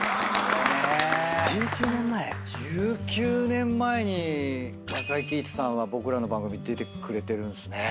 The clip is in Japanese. １９年前に中井貴一さんは僕らの番組出てくれてるんすね。